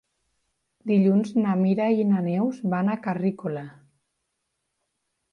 Dilluns na Mira i na Neus van a Carrícola.